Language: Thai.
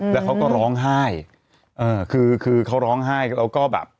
แล้วเขาก็ร้องไห้เออคือคือเขาร้องไห้แล้วก็แบบ